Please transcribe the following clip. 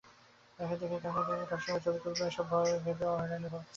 কাকে রেখে কাকে দেখবেন, কার সঙ্গে ছবি তুলবেন—এসব ভেবে হয়রান হয়েছেন দর্শনার্থীরা।